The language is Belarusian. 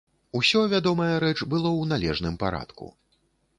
Усё, вядомая рэч, было ў належным парадку.